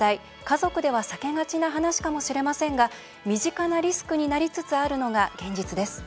家族では避けがちな話かもしれませんが身近なリスクになりつつあるのが現実です。